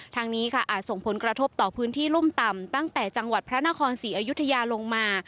ทางนี้ค่ะอาจส่งผลกระทบต่อพื้นที่รุ่มต่ำตั้งแต่จังหวัดพระนครศรีอยุธยาลงมา